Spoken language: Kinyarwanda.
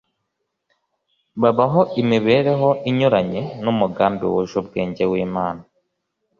babaho imibereho inyuranye n'umugambi wuje ubwenge w'imana